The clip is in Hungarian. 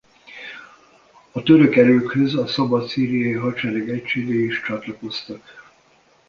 A török erőkhöz a Szabad Szíriai Hadsereg egységei is csatlakoztak.